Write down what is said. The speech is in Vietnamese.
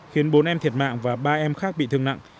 khiến bốn em thiệt mạng và ba em khác bị thương nặng